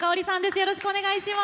よろしくお願いします。